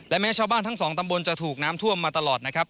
แม้ชาวบ้านทั้งสองตำบลจะถูกน้ำท่วมมาตลอดนะครับ